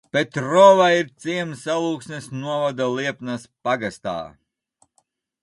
Petrova ir ciems Alūksnes novada Liepnas pagastā.